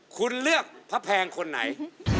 คุณเลือกพระแพงคนไหน